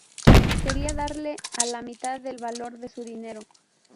Quería darle a la multitud el valor de su dinero.